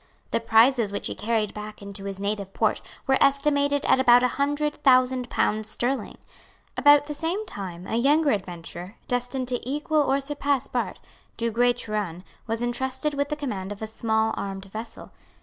The prizes which he carried back into his native port were estimated at about a hundred thousand pounds sterling. About the same time a younger adventurer, destined to equal or surpass Bart, Du Guay Trouin, was entrusted with the command of a small armed vessel.